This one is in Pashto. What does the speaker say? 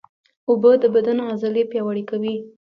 اوبه د بدن عضلې پیاوړې کوي